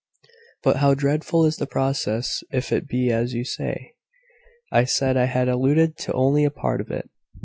"But how dreadful is the process, if it be as you say!" "I said I had alluded to only a part of it.